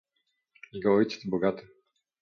"Jego ojciec bogaty."